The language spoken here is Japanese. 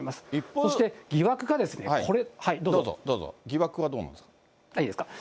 そして、疑惑疑惑はどうなんですか？